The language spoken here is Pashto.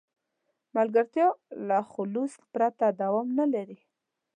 ملګرتیا له خلوص پرته دوام نه لري.